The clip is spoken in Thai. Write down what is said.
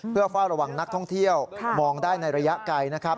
เพื่อเฝ้าระวังนักท่องเที่ยวมองได้ในระยะไกลนะครับ